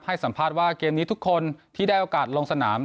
สัมภาษณ์ว่าเกมนี้ทุกคนที่ได้โอกาสลงสนาม